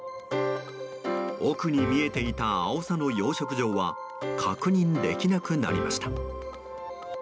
奥に見えていたアオサの養殖場は確認できなくなりました。